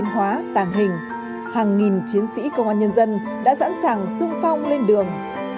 hóa tàng hình hàng nghìn chiến sĩ công an nhân dân đã sẵn sàng sung phong lên đường